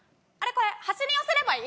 これ端に寄せればいい？